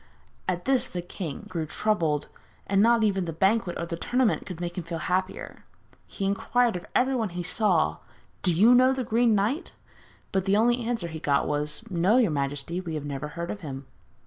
At this the king grew troubled, and not even the banquet or the tournament could make him feel happier. He inquired of everyone he saw, 'Do you know the Green Knight?' but the only answer he got was: 'No, your majesty, we have never heard of him.'